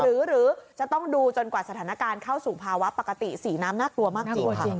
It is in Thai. หรือจะต้องดูจนกว่าสถานการณ์เข้าสู่ภาวะปกติสีน้ำน่ากลัวมากจริงค่ะ